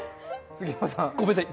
ごめんなさい。